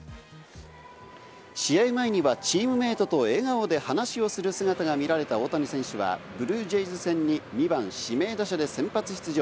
試合前にはチームメートと笑顔で話をする姿が見られた大谷選手はブルージェイズ戦に２番・指名打者で先発出場。